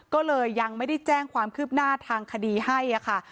ก็เลยยังไม่ได้แจ้งความคืบหน้าทางคดีให้ค่ะ